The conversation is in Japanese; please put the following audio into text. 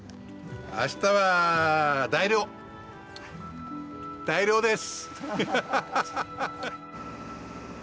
明日は大漁大漁です！